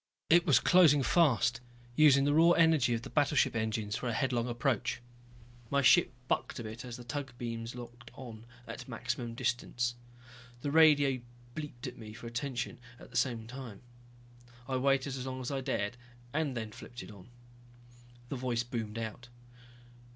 It was closing fast, using the raw energy of the battleship engines for a headlong approach. My ship bucked a bit as the tug beams locked on at maximum distance. The radio bleeped at me for attention at the same time. I waited as long as I dared, then flipped it on. The voice boomed out.